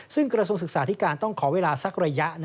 ซึ่งกระทรวงศึกษาธิการต้องขอเวลาสักระยะ